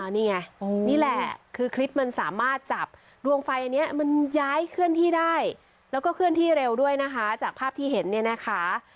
นี่ไงนี่แหละคือคลิปมันสามารถจับดวงไฟอันนี้มันย้ายเคลื่อนที่ได้แล้วก็เคลื่อนที่เร็วด้วยนะคะจากภาพที่เห็นเนี่ยนะคะ